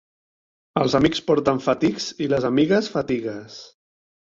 Els amics porten fatics i les amigues, fatigues.